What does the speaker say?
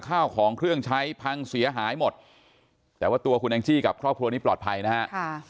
ข้าวของเครื่องใช้พังเสียหายหมดแต่ว่าตัวคุณแองจี้กับครอบครัวนี้ปลอดภัยนะฮะ